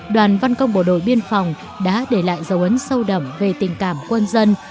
đoàn văn công bộ đội biên phòng đã để lại dấu ấn sâu đậm về tình cảm quân dân